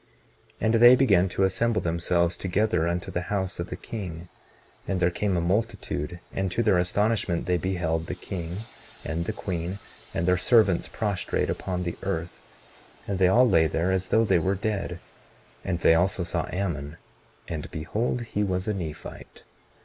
19:18 And they began to assemble themselves together unto the house of the king. And there came a multitude, and to their astonishment they beheld the king, and the queen, and their servants prostrate upon the earth, and they all lay there as though they were dead; and they also saw Ammon, and behold, he was a Nephite.